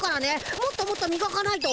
もっともっとみがかないと。